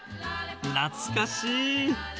懐かしい。